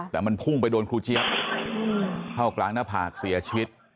แต่มันพุ่งไปโดนครูเจี๊ยบเข้ากลางหน้าผากเสียชีวิต